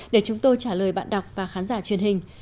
để chúng tôi trả lời bạn đọc và khán giả truyền hình